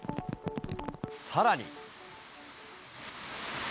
さらに。